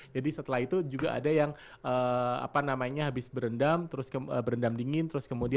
jadi setelah itu juga ada yang apa namanya habis berendam terus berendam dingin terus kemudian shock